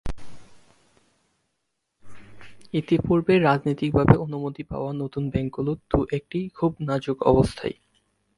ইতিপূর্বে রাজনৈতিকভাবে অনুমতি পাওয়া নতুন ব্যাংকগুলোর দু একটি খুব নাজুক অবস্থায়।